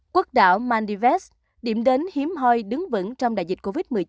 quốc đảo maldivest điểm đến hiếm hoi đứng vững trong đại dịch covid một mươi chín